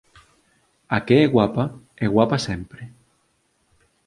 A que é guapa, é guapa sempre!